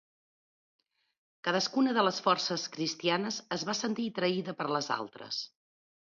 Cadascuna de les forces cristianes es va sentir traïda per les altres.